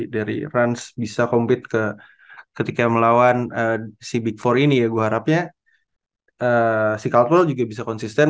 dari rans bisa compete ke ketika melawan si big empat ini ya gue harapnya si culture juga bisa konsisten